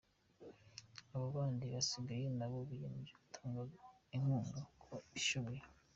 Abo bandi basigaye nabo biyemeje gutanga inkunga uko bishoboye.